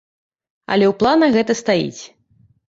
Але ў планах гэта стаіць.